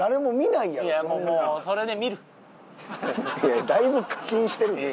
いやだいぶ過信してる。